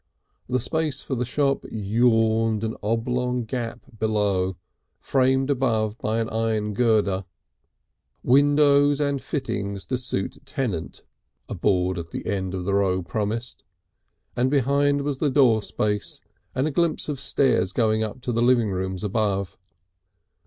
The space for the shop yawned an oblong gap below, framed above by an iron girder; "windows and fittings to suit tenant," a board at the end of the row promised; and behind was the door space and a glimpse of stairs going up to the living rooms above.